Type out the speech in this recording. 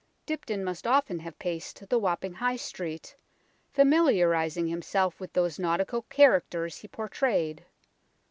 Dibdin must often have paced the Wapping High Street, familiarizing himself with those nautical characters he portrayed.